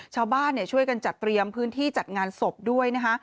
ชาวบ้านช่วยกันจัดเตรียมพื้นที่จัดงานศพด้วยนะคะ